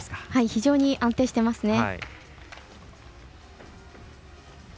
非常に安定してますね。